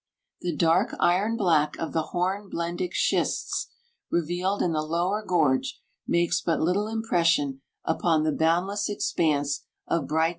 "The dark iron black of the horn blendic schists revealed in the lower gorge makes but little impression upon the boundless expanse of bright colors above."